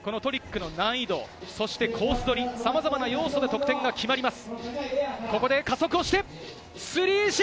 １分間の中でこのトリックの難易度、そしてコース取り、さまざまな要素で得点が決まります。